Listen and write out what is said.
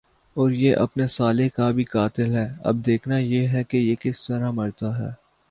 اور یہ اپنے سالے کا بھی قاتل ھے۔ اب دیکھنا یہ ھے کہ یہ کس طرع مرتا ھے۔